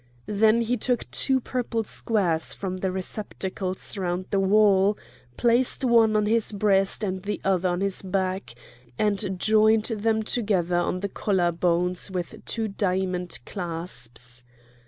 Then he took two purple squares from the receptacles round the wall, placed one on his breast and the other on his back, and joined them together on the collar bones with two diamond clasps.